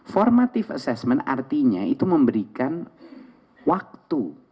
formative assessment artinya itu memberikan waktu